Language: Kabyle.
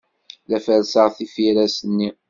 La ferrseɣ tifiras-nni.